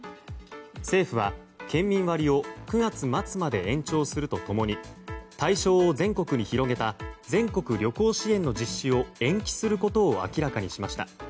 政府は、県民割を９月末まで延長すると共に対象を全国に広げた全国旅行支援の実施を延期することを明らかにしました。